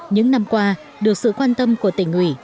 những năm qua được sự quan tâm của tỉnh ủy